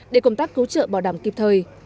để công tác cứu trợ bảo đảm kịp thời